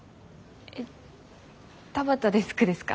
えっ田端デスクですか？